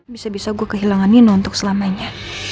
bisa bisa gue kehilangan nino untuk selamanya